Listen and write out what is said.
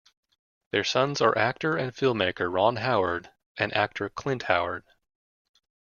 Their sons are actor and filmmaker Ron Howard and actor Clint Howard.